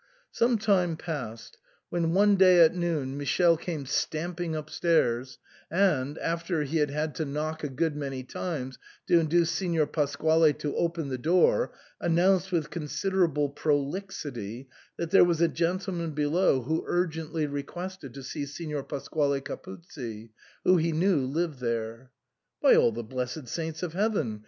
Some time passed, when one day at noon Michele came stamping upstairs, and, after he had had to knock a good many times to induce Signor Pasquale to open the door, announced with considerable prolixity that there was a gentleman below who urgently requested to see Signor Pasquale Capuzzi, who he knew lived there. " By all the blessed saints of Heaven